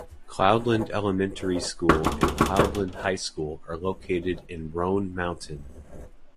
Cloudland Elementary School and Cloudland High School are located in Roan Mountain.